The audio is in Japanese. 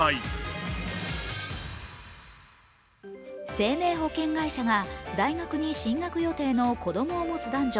生命保険会社が大学に進学予定の子供を持つ男女